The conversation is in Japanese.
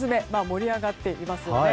盛り上がっていますよね。